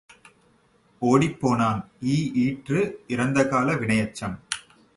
ஓடிப் போனான் இ ஈற்று இறந்தகால வினையெச்சம்.